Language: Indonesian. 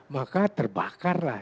maka terbakar lah